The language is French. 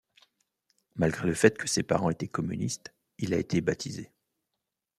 Malgré le fait que ses parents étaient communistes, il a été baptisé.